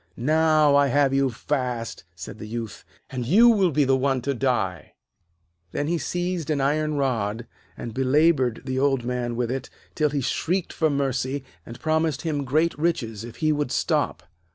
'Now, I have you fast,' said the Youth, 'and you will be the one to die.' Then he seized an iron rod, and belaboured the Old Man with it, till he shrieked for mercy, and promised him great riches if he would stop.